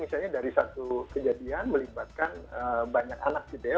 misalnya dari satu kejadian melibatkan banyak anak gitu ya